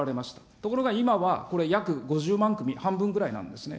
ところが今は、約５０万組、半分ぐらいなんですね。